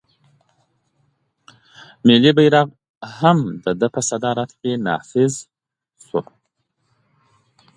ملي بیرغ هم د ده په صدارت کې نافذ شو.